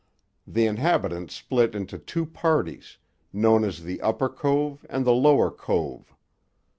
The inhabitants split into two parties, known as the Upper Cove and the Lower Cove.